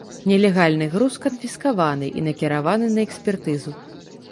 Нелегальны груз канфіскаваны і накіраваны на экспертызу.